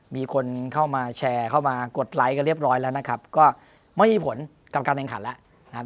มีคนเข้ามาแชร์เข้ามากดไลค์กันเรียบร้อยแล้วนะครับก็ไม่มีผลกับการแข่งขันแล้วนะครับ